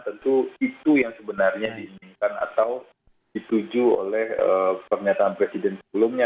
tentu itu yang sebenarnya diinginkan atau dituju oleh pernyataan presiden sebelumnya